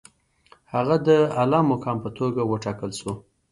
هغه د عالي مقام په توګه وټاکل شو.